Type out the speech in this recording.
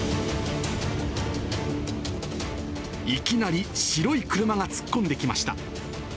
いきなり白い車が突っ込んできました。